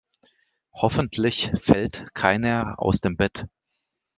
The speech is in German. Hoffentlich fällt keiner aus dem Bett.